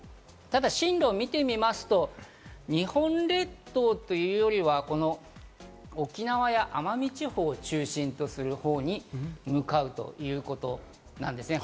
進路を見てみますと、日本列島というよりは沖縄や奄美地方を中心とするほうに向かうということなんですね。